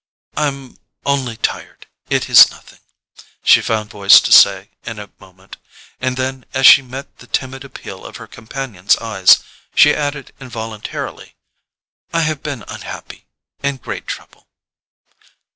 "I'm only tired—it is nothing," she found voice to say in a moment; and then, as she met the timid appeal of her companion's eyes, she added involuntarily: "I have been unhappy—in great trouble."